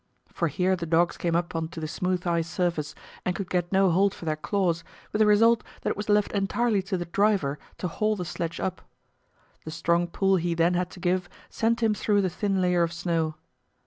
For here the dogs came up on to the smooth ice surface, and could get no hold for their claws, with the result that it was left entirely to the driver to haul the the sledge up. The strong pull he then had to give sent him through the thin layer of snow.